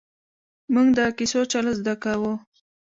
ـ مونږ د کیسو چل زده کاوه!